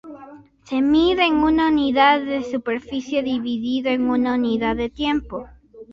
Se mide en una unidad de superficie dividido en una unidad de tiempo.